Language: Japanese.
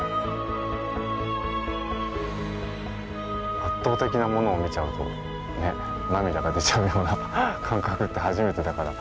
圧倒的なものを見ちゃうとね涙が出ちゃうような感覚って初めてだから。